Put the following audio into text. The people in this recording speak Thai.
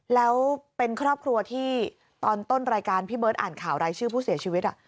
แล้วเป็นครอบครัวที่ตอนต้นรายการพี่เบิร์ตอ่านข่าวรายชื่อผู้เสียชีวิต